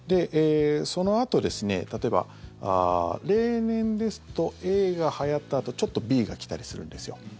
そのあと、例えば例年ですとＡがはやったあとちょっとＢが来たりするんですよ。